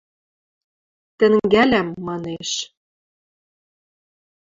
— Тӹнгӓлӓм, манеш.